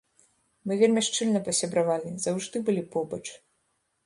Мы вельмі шчыльна пасябравалі, заўжды былі побач.